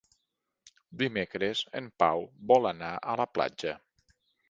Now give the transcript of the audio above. Dimecres en Pau vol anar a la platja.